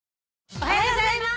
おはようございます。